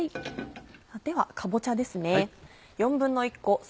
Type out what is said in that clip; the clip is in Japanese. ではかぼちゃですね。